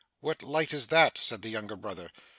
'What light is that!' said the younger brother.